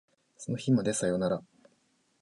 その日までさよなら